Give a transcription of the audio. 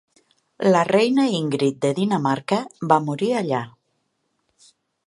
La reina Ingrid de Dinamarca va morir allà.